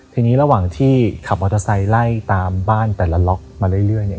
ทีนี้ระหว่างที่ขับมอเตอร์ไซค์ไล่ตามบ้านแต่ละล็อกมาเรื่อยเนี่ย